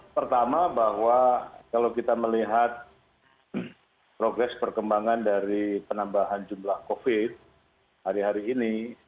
pertama bahwa kalau kita melihat progres perkembangan dari penambahan jumlah covid hari hari ini